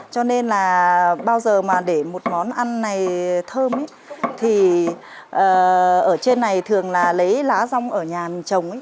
cho nên là bao giờ mà để một món ăn này thơm thì ở trên này thường là lấy lá rong ở nhà mình trồng